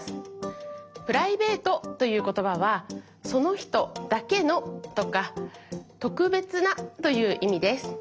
「プライベート」ということばは「そのひとだけの」とか「とくべつな」といういみです。